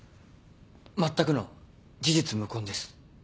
まったくの事実無根です。